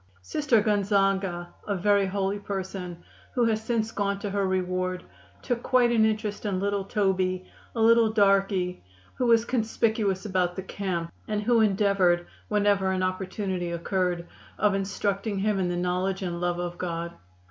Sister Gonzaga, a very holy person, who has since gone to her reward, took quite an interest in little Toby, a little darky, who was conspicuous about the camp, and who endeavored, whenever an opportunity occurred, of instructing him in the knowledge and love of God.